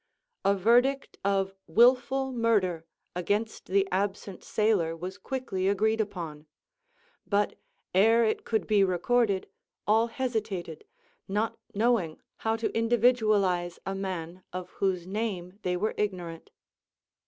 A verdict of willful murder against the absent sailor was quickly agreed upon; but ere it could be recorded, all hesitated, not knowing how to individualize a man of whose name they were ignorant.